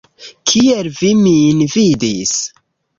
Kiel vi min vidis?